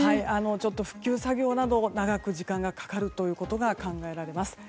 復旧作業など長く時間がかかることが考えられます。